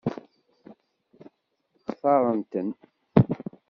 Xtaṛen-ten?